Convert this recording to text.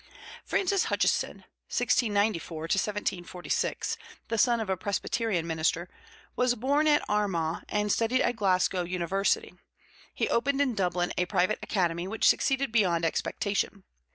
Francis Hutcheson (1694 1746), the son of a Presbyterian minister, was born at Armagh, and studied at Glasgow University. He opened in Dublin a private academy, which succeeded beyond expectation.